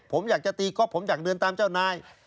ผมอยากจะตีก๊อบผมอยากเดินตามเจ้านาย